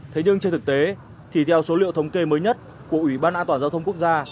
thế nhưng trên thực tế thì theo số liệu thống kê mới nhất của ủy ban an toàn giao thông quốc gia